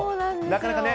なかなかね、